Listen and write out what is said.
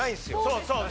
そうそう。